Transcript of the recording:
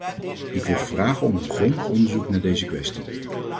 Ik wil vragen om een grondig onderzoek naar deze kwestie.